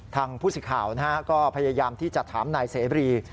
ผู้สิทธิ์ข่าวก็พยายามที่จะถามนายเสบรี